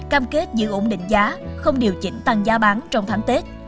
cam kết giữ ổn định giá không điều chỉnh tăng giá bán trong tháng tết